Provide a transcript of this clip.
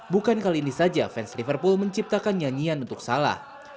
bukan kali ini saja fans liverpool menciptakan nyanyian untuk salah